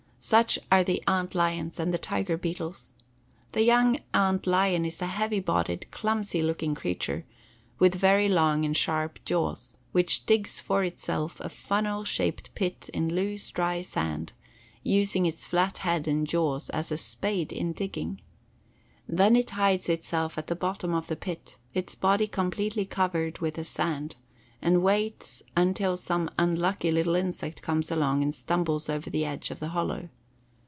Such are the ant lions and the tiger beetles. The young ant lion is a heavy bodied, clumsy looking creature, with very long and sharp jaws, which digs for itself a funnel shaped pit in loose, dry sand, using its flat head and jaws as a spade in digging. Then it hides itself at the bottom of the pit, its body completely covered with the sand, and waits until some unlucky little insect comes along and stumbles over the edge of the hollow.